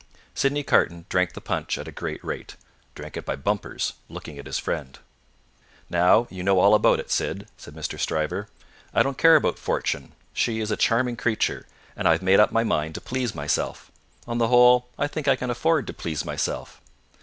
Sydney Carton drank the punch at a great rate; drank it by bumpers, looking at his friend. "Now you know all about it, Syd," said Mr. Stryver. "I don't care about fortune: she is a charming creature, and I have made up my mind to please myself: on the whole, I think I can afford to please myself.